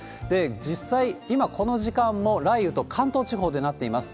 実際、今、この時間も雷雨と関東地方でなっています。